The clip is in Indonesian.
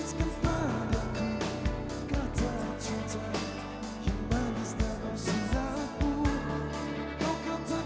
semoga waktu akan menilai sisi hatimu yang betul